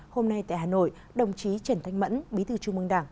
hôm nay tại hà nội đồng chí trần thanh mẫn bí thư trung mương đảng